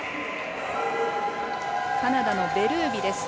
カナダのベルービです。